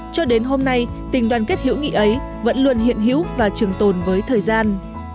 cho đến hôm nay tình đoàn kết hữu nghị ấy vẫn luôn hiện hữu và trường tồn với thời gian